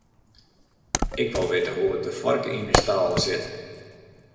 Ik wol witte hoe't de foarke yn 'e stâle sit.